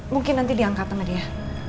mungkin nanti diangkat tengah dia